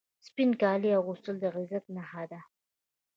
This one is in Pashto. سپین کالي اغوستل د عزت نښه ده.